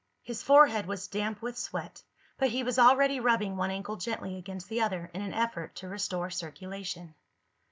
His forehead was damp with sweat, but he was already rubbing one ankle gently against the other in an effort to restore circulation.